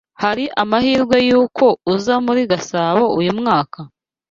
Hari amahirwe yuko uza muri Gasabo uyu mwaka?